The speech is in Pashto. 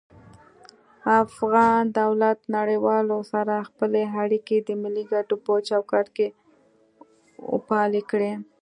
افغان دولت نړيوالو سره خپلی اړيکي د ملي کټو په چوکاټ کي وپالی کړي